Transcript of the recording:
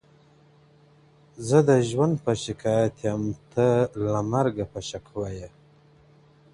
• زه د ژوند په شکايت يم، ته له مرگه په شکوه يې.